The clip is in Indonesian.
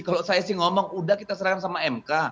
kalau saya sih ngomong udah kita serahkan sama mk